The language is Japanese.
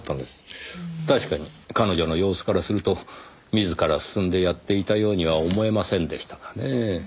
確かに彼女の様子からすると自ら進んでやっていたようには思えませんでしたがねぇ。